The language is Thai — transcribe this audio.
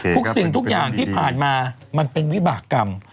สิ่งทุกอย่างที่ผ่านมามันเป็นวิบากรรม